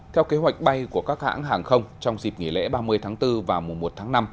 theo kế hoạch bay của các hãng hàng không trong dịp nghỉ lễ ba mươi tháng bốn và mùa một tháng năm